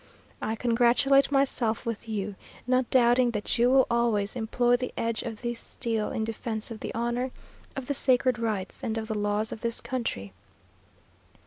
I congratulate myself with you, not doubting that you will always employ the edge of this steel in defence of the honour, of the sacred rights, and of the laws of this country.